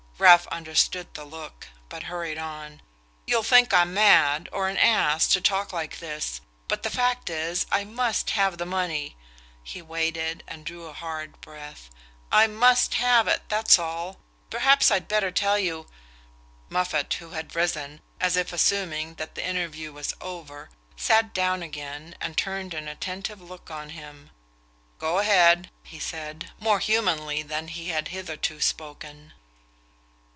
Ralph understood the look, but hurried on. "You'll think I'm mad, or an ass, to talk like this; but the fact is, I must have the money." He waited and drew a hard breath. "I must have it: that's all. Perhaps I'd better tell you " Moffatt, who had risen, as if assuming that the interview was over, sat down again and turned an attentive look on him. "Go ahead," he said, more humanly than he had hitherto spoken.